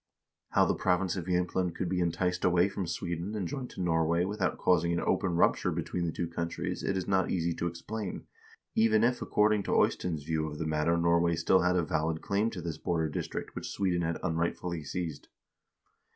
1 How the province of Jsemtland could be enticed away from Sweden and joined to Norway without causing an open rupture between the two countries it is not easy to explain, even if according to Ey stein's view of the matter Norway still had a valid claim to this border district which Sweden had unrightfully seized.